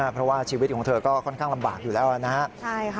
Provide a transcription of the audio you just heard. เพราะว่าชีวิตของเธอก็ค่อนข้างลำบากอยู่แล้วนะครับ